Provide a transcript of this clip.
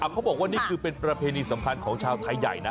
เขาบอกว่านี่คือเป็นประเพณีสำคัญของชาวไทยใหญ่นะ